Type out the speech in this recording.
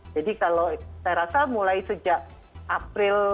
jadi kalau saya rasa mulai sejak april